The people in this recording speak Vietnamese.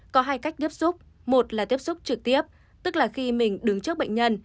có hai cách tiếp xúc một là tiếp xúc trực tiếp tức là khi mình đứng trước bệnh nhân